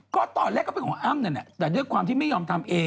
ก็ตอนแรกก็เป็นของอ้ำนั่นแหละแต่ด้วยความที่ไม่ยอมทำเอง